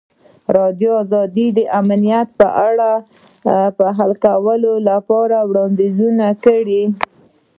ازادي راډیو د امنیت په اړه د حل کولو لپاره وړاندیزونه کړي.